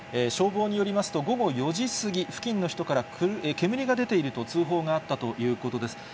消防によりますと、午後４時過ぎ、付近の人から煙が出ていると通報があったということです。